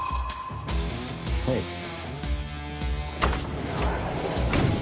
はい。